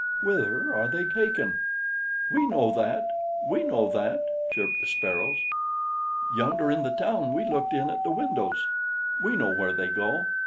Whither are they taken?" "We know that! We know that!" chirped the Sparrows. "Yonder in the town we looked in at the windows. We know where they go.